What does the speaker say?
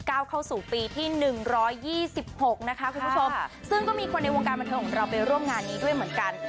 เข้าสู่ปีที่หนึ่งร้อยยี่สิบหกนะคะคุณผู้ชมซึ่งก็มีคนในวงการบันเทิงของเราไปร่วมงานนี้ด้วยเหมือนกัน